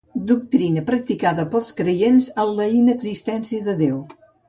Doctrina practicada pels creients en la inexistència de Déu.